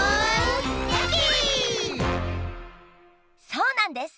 そうなんです！